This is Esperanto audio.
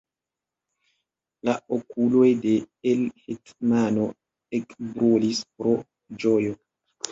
La okuloj de l' hetmano ekbrulis pro ĝojo.